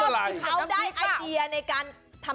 อ๋อหรอ